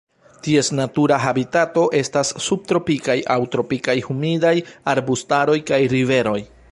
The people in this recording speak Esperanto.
Ties natura habitato estas subtropikaj aŭ tropikaj humidaj arbustaroj kaj riveroj.